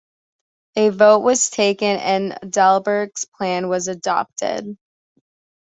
A vote was taken and Dalbier's plan was adopted.